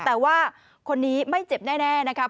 แต่ว่าคนนี้ไม่เจ็บแน่นะครับ